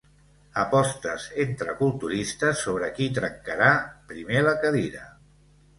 Apostes entre culturistes sobre qui trencarà primer la cadira.